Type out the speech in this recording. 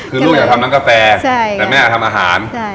คือลูกอยากทำร้านกาแฟแต่แม่อยากทำอาหาร